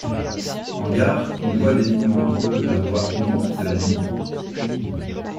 En gare, une voie d'évitement double la voie unique de la ligne.